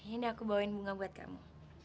ini aku bawain bunga buat kamu